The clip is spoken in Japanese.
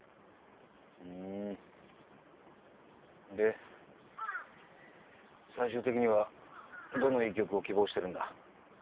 フーンで最終的にはどの医局を希望してるんだ？